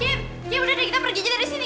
kim kim udah deh kita pergi aja dari sini